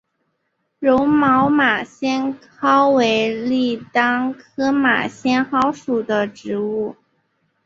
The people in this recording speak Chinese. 柔毛马先蒿为列当科马先蒿属的植物。